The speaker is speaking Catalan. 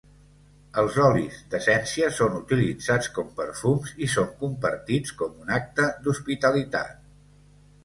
Els olis d'essència són utilitzats com perfums i són compartits com un acte d'hospitalitat.